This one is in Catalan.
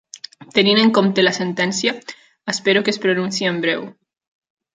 Tenint en compte la sentència, espero que es pronunciï en breu.